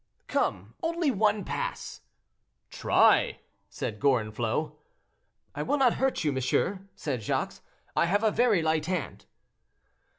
"Come, only one pass." "Try," said Gorenflot. "I will not hurt you, monsieur," said Jacques, "I have a very light hand."